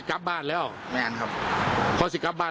ส่วนเดี๋ยวที่ตอนไหน